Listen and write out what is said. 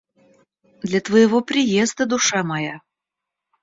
Для твоего приезда, душа моя.